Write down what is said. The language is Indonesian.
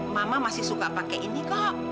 mama masih suka pakai ini kak